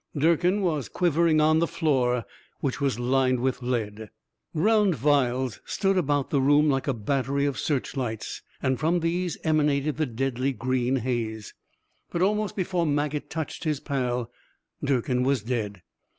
Durkin was quivering on the floor which was lined with lead. Round vials stood about the room like a battery of search lights, and from these emanated the deadly green haze. But almost before Maget touched his pal, Durkin was dead.